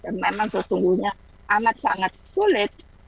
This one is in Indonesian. yang memang sesungguhnya amat sangat sulit